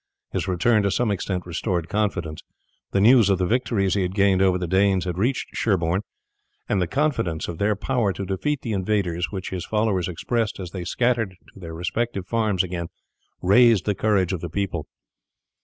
His return to some extent restored confidence. The news of the victories he had gained over the Danes had reached Sherborne, and the confidence of their power to defeat the invaders which his followers expressed as they scattered to their respective farms again raised the courage of the people.